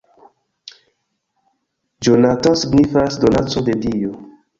Jonathan signifas 'donaco de dio'.